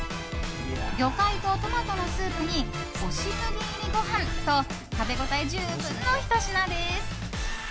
魚介とトマトのスープに押し麦入りご飯と食べ応え十分のひと品です。